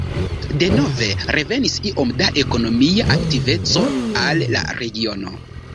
Denove revenis iom da ekonomia aktiveco al la regiono.